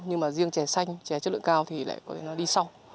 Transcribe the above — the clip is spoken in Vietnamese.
nhưng mà riêng trè xanh trè chất lượng cao thì lại có thể nói đi sau